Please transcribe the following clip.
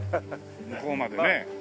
向こうまでね。